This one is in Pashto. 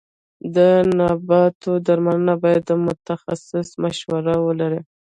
د نباتو درملنه باید د متخصص مشوره ولري.